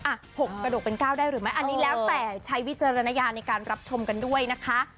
๖กระดกเป็น๙ได้หรือไม่อันนี้แล้วแต่ใช้วิจารณญาณในการรับชมกันด้วยนะคะ